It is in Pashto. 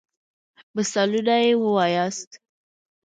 مثالونه يي ووایاست.